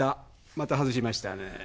また外しましたねぇ。